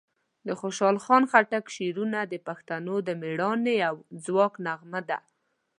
د خوشحال خان خټک شعرونه د پښتنو د مېړانې او ځواک نغمه ده.